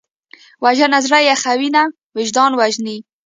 وژنه زړه یخوي نه، وجدان وژني